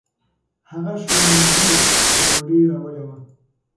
هغه ښوونځي ته ډوډۍ راوړې وه.